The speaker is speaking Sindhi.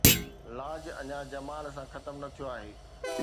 لاج اڃا جمال سان ختم نه ٿيو آهي